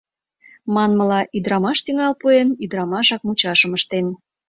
Манмыла, ӱдырамаш тӱҥал пуэн, ӱдырамашак мучашым ыштен.